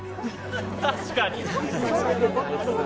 確かに。